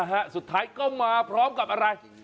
นี้แหละฮะสุดท้ายก็มาเพราะกับอะไร